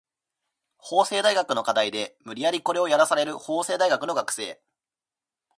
法政大学の課題で無理やりコレをやらされる法政大学の学生